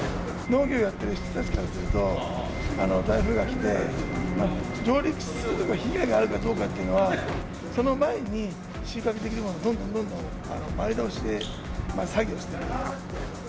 農業やってる人たちからすると、台風が来て、上陸すると被害があるかどうかっていうのは、その前に収穫できるものは、どんどんどんどん前倒しで作業してるんです。